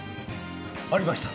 ありました。